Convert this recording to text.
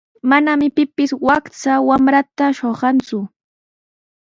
Manami pipis wakcha wamrataqa shuqanku.